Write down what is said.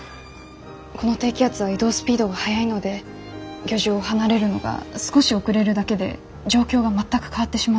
この低気圧は移動スピードが速いので漁場を離れるのが少し遅れるだけで状況が全く変わってしまうんです。